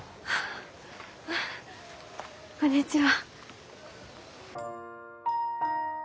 ああこんにちは。